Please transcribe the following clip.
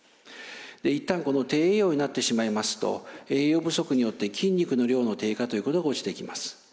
一旦低栄養になってしまいますと栄養不足によって筋肉の量の低下ということが起きてきます。